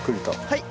はい。